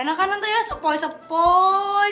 enak kan nanti ya sepoi sepoi